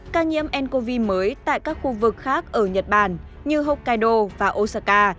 ca nhiễm ncov mới tại các khu vực khác ở nhật bản như hokkaido và osaka